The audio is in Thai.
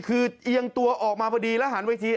คือเอียงตัวออกมาพอดีแล้วหันเวที